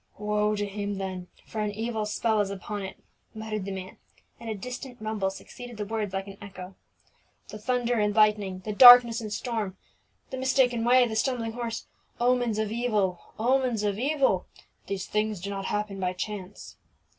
"Woe to him, then, for an evil spell is upon it!" muttered the man; and a distant rumble succeeded the words like an echo. "The thunder and lightning, the darkness and storm, the mistaken way, the stumbling horse, omens of evil omens of evil! These things do not happen by chance."